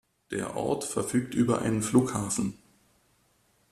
Der Ort verfügt über einen Flughafen.